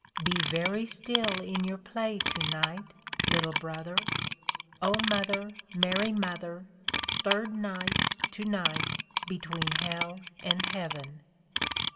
*' Be very still in your play to night, Little brother." (0 Mother, Mary Mother, Third night, to night, between Hell and Heaven!)